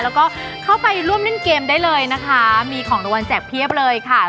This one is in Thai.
แล้วก็เข้าไปร่วมเล่นเกมได้เลยนะคะมีของรางวัลแจกเพียบเลยค่ะ